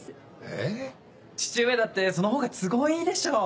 えっ⁉父上だってそのほうが都合いいでしょ？